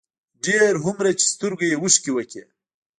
ډېر هومره چې سترګو يې اوښکې وکړې،